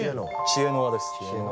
知恵の輪です。